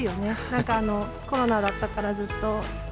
なんかコロナだったから、ずっと。